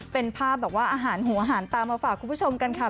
เป็นภาพแบบว่าอาหารหัวอาหารตามมาฝากคุณผู้ชมกันค่ะ